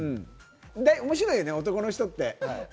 面白いね男の人って。